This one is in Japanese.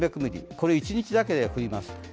これ、一日だけで降ります。